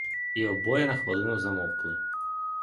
І обоє на хвилину замовкли.